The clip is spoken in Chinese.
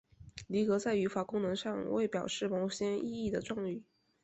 离格在语法功能上为表示某些意义的状语。